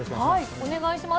お願いします。